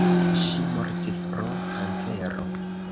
Ŝi mortis pro kancero.